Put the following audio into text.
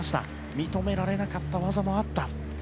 認められなかった技もあった。